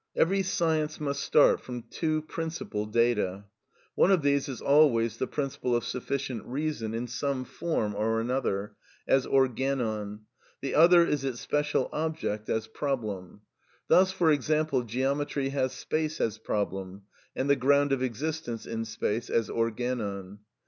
Every science must start from two principal data. One of these is always the principle of sufficient reason in some form or another, as organon; the other is its special object as problem. Thus, for example, geometry has space as problem, and the ground of existence in space as organon.